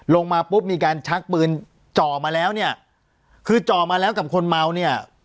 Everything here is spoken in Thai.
ลงมาปุ๊บมีการชักปืนจ่อมาแล้วเนี่ยคือจ่อมาแล้วกับคนเมาเนี่ย